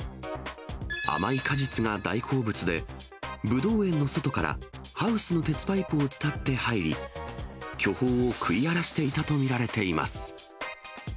甘い果実が大好物で、ぶどう園の外からハウスの鉄パイプを伝って入り、巨峰を食い荒らしていたと見られています。